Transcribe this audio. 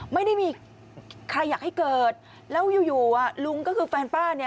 ไม่ได้มีใครอยากให้เกิดแล้วอยู่อยู่อ่ะลุงก็คือแฟนป้าเนี่ย